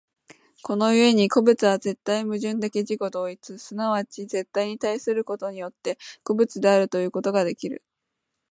この故に個物は絶対矛盾的自己同一、即ち絶対に対することによって、個物であるということができる。